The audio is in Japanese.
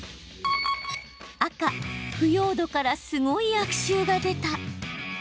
赤・腐葉土からすごい悪臭が出た。